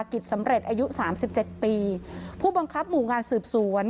กิจสำเร็จอายุ๓๗ปีผู้บังคับหมู่งานสืบสวน